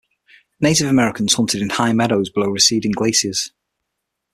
Native Americans hunted in high meadows below receding glaciers.